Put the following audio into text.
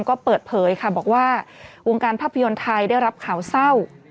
ก็เปิดเผยค่ะบอกว่าวงการภาพยนตร์ไทยได้รับข่าวเศร้า